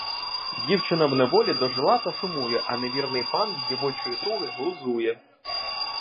Дівчина у неволі дожила та сумує, а невірний пан з дівочої туги глузує!